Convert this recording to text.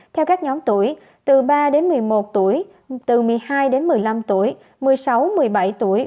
theo các nhóm tuổi từ ba đến một mươi một tuổi từ một mươi hai đến một mươi năm tuổi một mươi sáu một mươi bảy tuổi